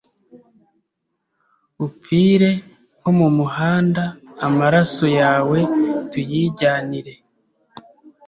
upfire nko mu muhanda amaraso yawe tuyijyanire,